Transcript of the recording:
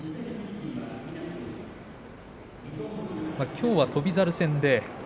きょうは翔猿戦です。